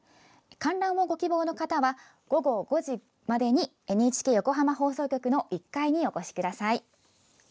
観覧をご希望の方は午後５時までにＮＨＫ横浜放送局の１階にお越しください。